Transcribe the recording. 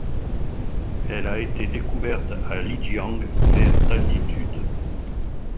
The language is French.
Elle a été découverte à Lijiang vers d'altitude.